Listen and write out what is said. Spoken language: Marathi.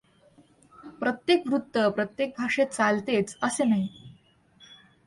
प्रत्येक वृत्त प्रत्येक भाषेत चालतेच असे नाही.